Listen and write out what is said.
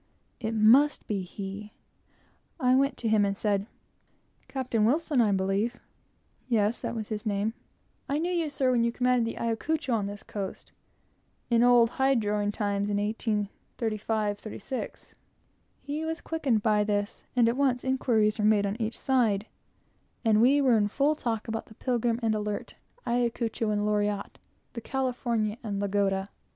It must be he! I went to him and said, "Captain Wilson, I believe." Yes, that was his name. "I knew you, sir, when you commanded the Ayacucho on this coast, in old hide droghing times, in 1835 6." He was quickened by this, and at once inquiries were made on each side, and we were in full talk about the Pilgrim and Alert, Ayacucho and Loriotte, the California and Lagoda.